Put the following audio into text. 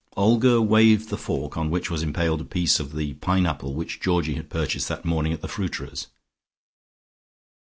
'" Olga waved the fork on which was impaled a piece of the pineapple which Georgie had purchased that morning at the fruiterer's.